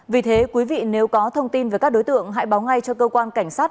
vì thế quý vị nếu có thông tin về các đối tượng hãy báo ngay cho cơ quan cảnh sát